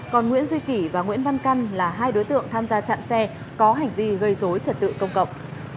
còn nguyễn duy kỷ và nguyễn văn căn là hai đối tượng tham gia chặn xe có hành vi gây dối trật tự công cộng